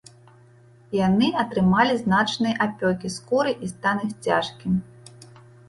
Яны атрымалі значныя апёкі скуры і стан іх цяжкі.